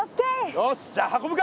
よしじゃあ運ぶか！